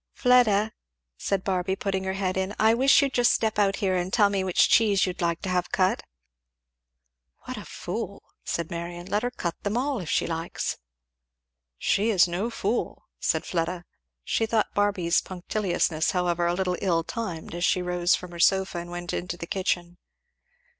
"Fleda," said Barby putting her head in, "I wish you'd just step out here and tell me which cheese you'd like to have cut." "What a fool!" said Marion. "Let her cut them all if she likes." "She is no fool," said Fleda. She thought Barby's punctiliousness however a little ill timed, as she rose from her sofa and went into the kitchen.